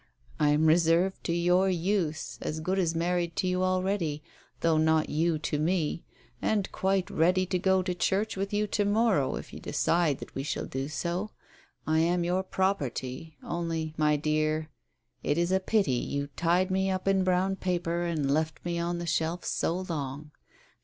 I am reserved to your use, as good as married to you already, though not you to me, and quite ready to go to church with you to morrow, if you decide that we shall do so. I am your property. ... Only, my dear, it is a pity you tied me up in brown paper and left me on the shelf so long.